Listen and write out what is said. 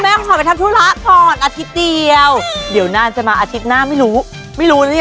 เอาอย่างงี้